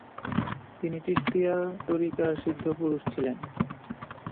তিনি চিশতিয়া ত্বরীকার সিদ্ধ পুরুষ ছিলেন।